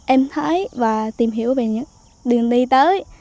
em thấy và tìm hiểu về những đường đi tới